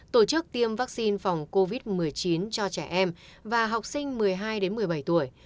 tổ chức tiêm vaccine phòng covid một mươi chín cho trẻ em và học sinh một mươi hai một mươi bảy tuổi